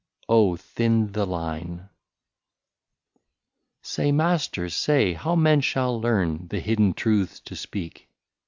69 OH ! THIN THE LINE. " Say, master, say, how men shall learn The hidden truths to speak.